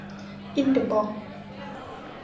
อินเดอะบ็อกซ์